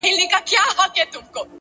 لوړ لید د راتلونکي جوړښت دی،